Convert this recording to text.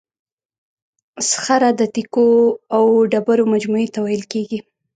صخره د تیکو او ډبرو مجموعې ته ویل کیږي.